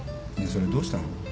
それどうしたの？